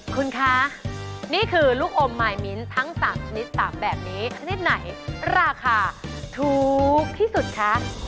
คุณคะนี่คือลูกอมมายมิ้นทั้ง๓ชนิด๓แบบนี้ชนิดไหนราคาถูกที่สุดคะ